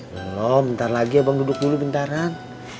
belum bentar lagi abang duduk dulu bentaran